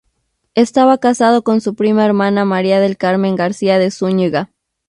Estaba casado con su prima hermana María del Carmen García de Zúñiga.